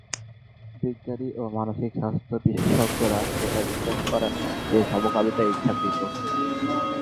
বিজ্ঞানী ও মানসিক স্বাস্থ্য বিশেষজ্ঞরা এটা বিশ্বাস করেন না যে, সমকামিতা ইচ্ছাকৃত।